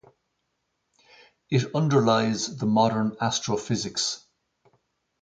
It underlies the modern astrophysics.